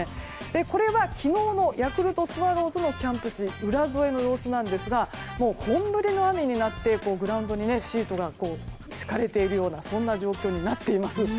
これは昨日のヤクルトスワローズのキャンプ地浦添の様子なんですが本降りの雨になってグラウンドにシートが敷かれているような状況になっています。